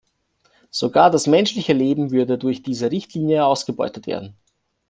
Sogar das menschliche Leben würde durch diese Richtlinie ausgebeutet werden.